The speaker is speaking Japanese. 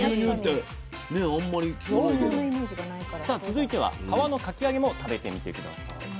さあ続いては皮のかき揚げも食べてみて下さい。